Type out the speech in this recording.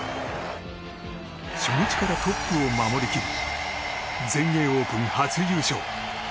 初日からトップを守り切り全英オープン初優勝。